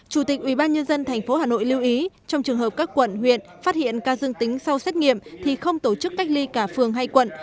chủ tịch ubnd tp hà nội lưu ý trong trường hợp các quận huyện phát hiện ca dương tính sau xét nghiệm thì không tổ chức cách ly cả phường hay quận